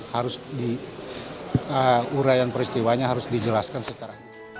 harus diurayan peristiwanya harus dijelaskan secara